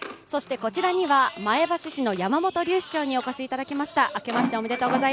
そしてこちらには前橋市の山本龍市長にお越しいただきました。